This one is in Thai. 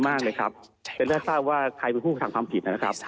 ไม่เลยครับผมยินดีเลยครับ